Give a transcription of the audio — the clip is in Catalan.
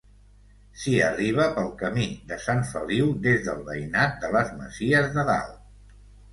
S'hi arriba pel camí de Sant Feliu des del veïnat de les Masies de Dalt.